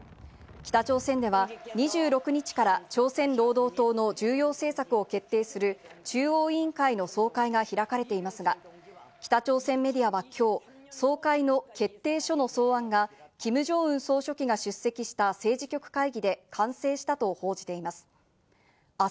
北朝鮮では２６日から朝鮮労働党の重要政策を決定する中央委員会の総会が開かれていますが、北朝鮮メディアはきょう、総会の決定書の草案が、キム・ジョンウン総書記が出席した政治局会議で完成したと報じています。